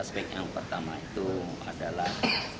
aspek yang pertama itu adalah